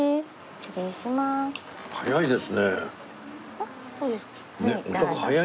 失礼します。